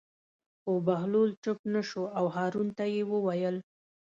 خو بهلول چوپ نه شو او هارون ته یې وویل.